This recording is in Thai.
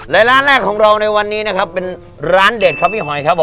และร้านแรกของเราในวันนี้นะครับเป็นร้านเด็ดครับพี่หอยครับผม